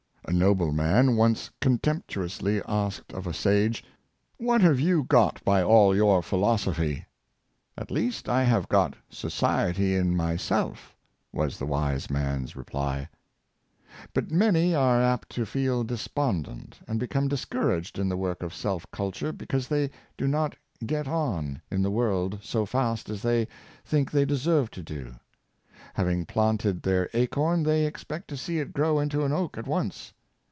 A nobleman once contemptuously asked of a sage, ^' What have you got by all your philosophy.^ "^' At least I have got society in myself," was the wise man's reply. But many are apt to feel despondent, and become discouraged in the work of self culture, because they do not " get on " in the world so fast as they think 20 306 Low View of Self culture, they deserve to do. Having planted their acorn, they expect to see it grow into an oak at once.